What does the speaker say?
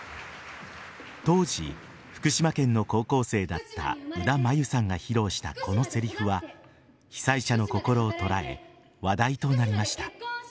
当時、福島県の高校生だった宇田麻由さんが披露したこのせりふは被災者の心を捉え話題となりました。